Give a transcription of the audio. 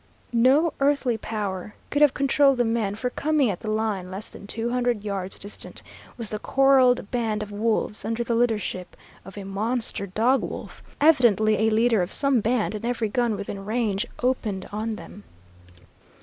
No earthly power could have controlled the men, for coming at the line less than two hundred yards distant was the corralled band of wolves under the leadership of a monster dog wolf, evidently a leader of some band, and every gun within range opened on them.